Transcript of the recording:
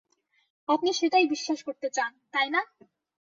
আপনি সেটাই বিশ্বাস করতে চান, তাই না?